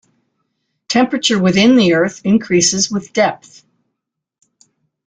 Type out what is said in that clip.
Temperature within the Earth increases with depth.